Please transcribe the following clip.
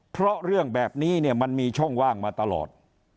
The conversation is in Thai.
เพราะเรื่องแบบนี้เนี่ยมันมีช่องว่างมาตลอด